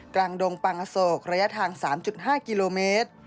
กลางดงปางอสกระยะทาง๓๕กิโลเมตร